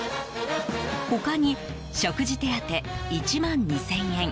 他に食事手当１万２０００円